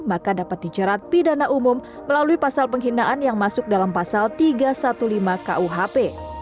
maka dapat dicerat pidana umum melalui pasal penghinaan yang masuk dalam pasal tiga ratus lima belas kuhp